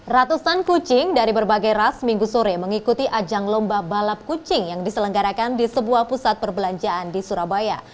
ratusan kucing dari berbagai ras minggu sore mengikuti ajang lomba balap kucing yang diselenggarakan di sebuah pusat perbelanjaan di surabaya